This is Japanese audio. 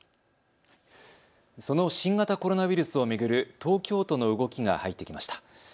その新型コロナウイルスを巡る東京都の動きが入ってきました。